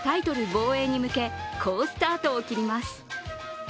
防衛に向け好スタートを切ります。